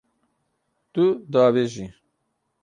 Tu diavêjî.